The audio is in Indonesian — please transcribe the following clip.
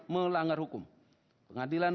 melanggar hukum pengadilan